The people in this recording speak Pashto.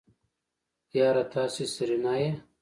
يره تاسې سېرېنا يئ.